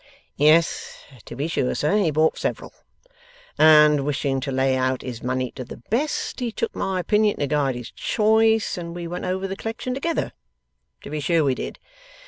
'Yes, to be sure, sir; he bought several; and wishing to lay out his money to the best, he took my opinion to guide his choice, and we went over the collection together. To be sure we did.